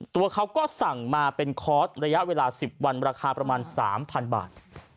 ตัวเขาก็สั่งมาเป็นคอร์สระยะเวลา๑๐วันราคาประมาณ๓๐๐บาท